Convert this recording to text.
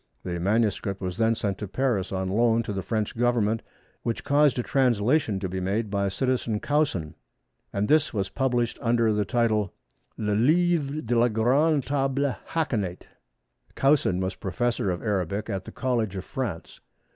The manuscript was then sent to Paris on loan to the French Government which caused a translation to be made by "Citizen" Caussin, and this was published under the title of Le Livre de la grande Table Hakénate. Caussin was Professor of Arabic at the College of France.